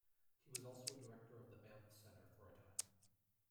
He was also a director of the Banff Centre for a time.